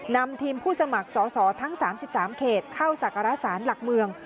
นำทีมผู้สมัครสอสอทั้งสามสิบสามเขตเข้าสการสารหลักเมือง